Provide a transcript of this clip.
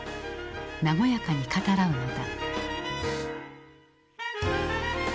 和やかに語らうのだ。